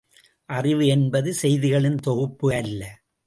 அறிவு என்பது செய்திகளின் தொகுப்பு அல்ல!